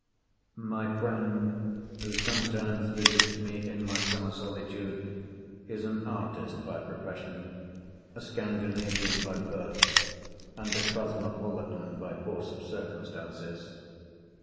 My friend, who sometimes visits me in my summer solitude, is an artist by profession, a Scandinavian by birth, and a cosmopolitan by force of circumstances.